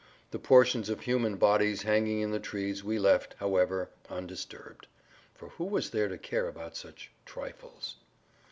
The portions of human bodies hanging in the trees we left, however, undisturbed. For who was there to care about such "trifles"?